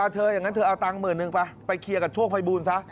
อย่างนั้นเธอเอาตังค์หมื่นนึงไปไปเคลียร์กับโชคภัยบูลซะ